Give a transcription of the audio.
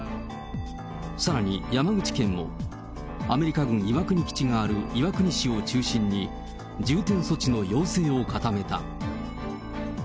さらに山口県も、アメリカ軍岩国基地がある岩国市を中心に、重点措置の要請を固めた。